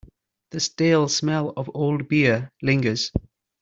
The stale smell of old beer lingers.